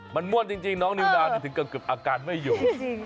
มันม่วนจริงน้องนิวนาถึงกำลังอาการไม่อยู่